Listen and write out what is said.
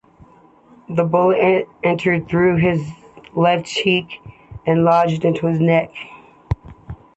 The bullet entered through his left cheek and lodged in his neck.